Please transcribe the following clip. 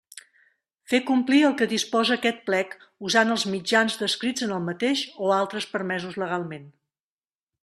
Fer complir el que disposa aquest Plec, usant els mitjans descrits en el mateix o altres permesos legalment.